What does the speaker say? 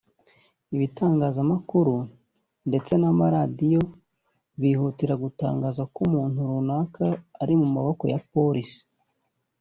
Ibitangazamakuru ndetse n’amaradiyo bihutira gutangaza ko umuntu runaka ari mu maboko ya polisi